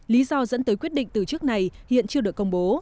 lý do dẫn tới quyết định từ chức này hiện chưa được công bố